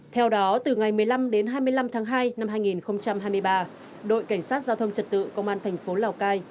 theo đó từ ngày một mươi năm đến hai mươi năm tháng hai năm hai nghìn hai mươi ba đội cảnh sát giao thông trật tự công an thành phố lào cai